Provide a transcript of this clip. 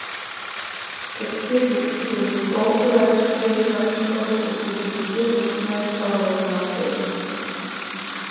Kad tirgus kļūst konkurētspējīgāks, produkta dzīves ilgums mēdz palielināties.